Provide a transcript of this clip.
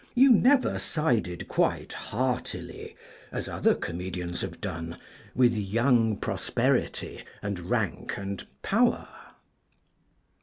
you never sided quite heartily, as other comedians have done, with young prosperity and rank and power.